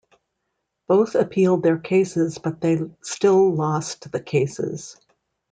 Both appealed their cases but they still lost the cases.